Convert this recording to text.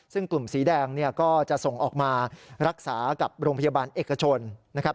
ซึ่งกลุ่มสีแดงเนี่ยก็จะส่งออกมารักษากับโรงพยาบาลเอกชนนะครับ